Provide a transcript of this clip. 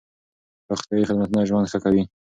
روغتيايي خدمتونه ژوند ښه کوي.